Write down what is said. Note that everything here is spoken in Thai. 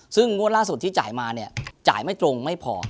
ซึ่งงวดล่าสุดที่จ่ายมาเนี่ยจ่ายไม่ตรงไม่พอ